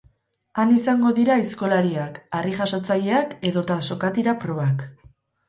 Han izango dira aizkolariak, harrijasotzaileak edota sokatira probak.